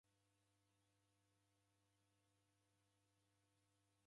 Mipango ya magome eghaluswa.